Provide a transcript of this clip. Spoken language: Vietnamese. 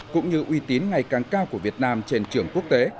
cũng như uy tín ngày càng cao của việt nam trên trường quốc tế